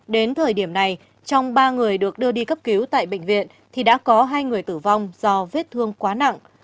đến thời điểm này trong ba người được đưa đi cấp cứu tại bệnh viện thì đã có hai người tử vong do vết thương quá nặng